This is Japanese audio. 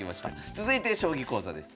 続いて将棋講座です。